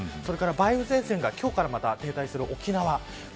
それから梅雨前線が今日から停滞する沖縄。